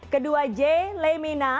kedua jay lemina